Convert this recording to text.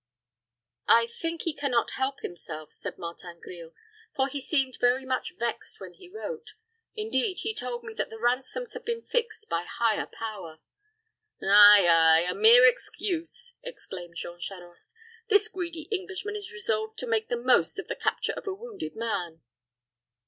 "I think he can not help himself," said Martin Grille; "for he seemed very much vexed when he wrote. Indeed, he told me that the ransoms had been fixed by higher power." "Ay, ay! A mere excuse," exclaimed Jean Charost. "This greedy Englishman is resolved to make the most of the capture of a wounded man."